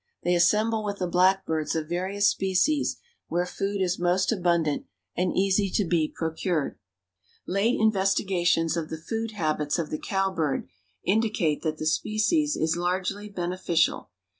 They assemble with the blackbirds of various species where food is most abundant and easy to be procured. Late investigations of the food habits of the cowbird indicate that the species is largely beneficial.